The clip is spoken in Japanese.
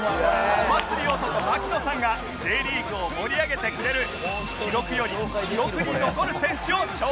お祭り男槙野さんが Ｊ リーグを盛り上げてくれる記録より記憶に残る選手を紹介します！